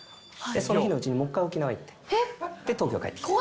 その日のうちにもう一回沖縄行って、東京帰ってきて。